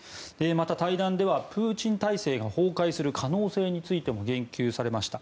また、対談ではプーチン体制が崩壊する可能性についても言及されました。